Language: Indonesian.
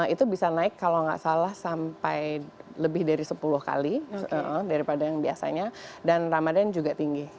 itu bisa naik kalau nggak salah sampai lebih dari sepuluh kali daripada yang biasanya dan ramadan juga tinggi